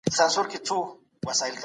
د وطن ابادي زموږ ګډ هدف دی.